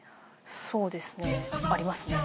そうですね。ありますね。